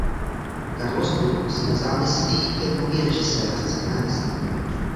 Carlos Brooks je nezávislý filmový režisér a scenárista.